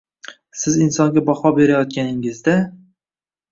Siz insonga baho berayotganingizda